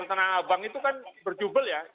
tanah abang itu kan berjubel ya